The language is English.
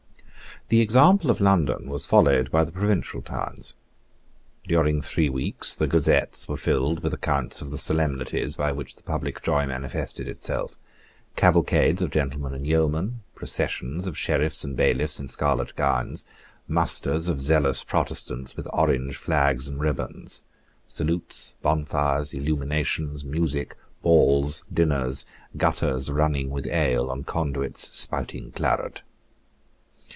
The example of London was followed by the provincial towns. During three weeks the Gazettes were filled with accounts of the solemnities by which the public joy manifested itself, cavalcades of gentlemen and yeomen, processions of Sheriffs and Bailiffs in scarlet gowns, musters of zealous Protestants with orange flags and ribands, salutes, bonfires, illuminations, music, balls, dinners, gutters running with ale and conduits spouting claret.